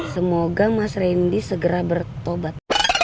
semoga mas randy segera bertobat